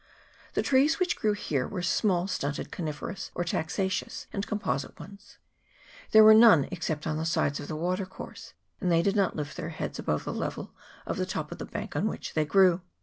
The trees which grew here were small stunted coniferous or taxaceous and composite ones. There were none except on the sides of the watercourse, and they did not lift their heads above the level of the top of the bank on which they grew.